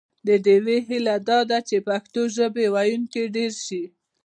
د ډیوې هیله دا ده چې پښتو ژبه ویونکي ډېر شي